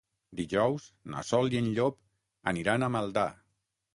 Dijous na Sol i en Llop aniran a Maldà.